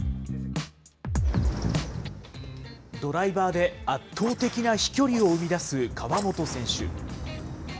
ドライバーで圧倒的な飛距離を生み出す河本選手。